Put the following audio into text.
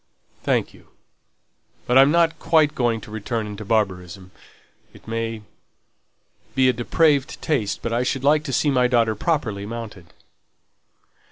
"Thank you. But I'm not quite going to return into barbarism. It may be a depraved taste, but I should like to see my daughter properly mounted."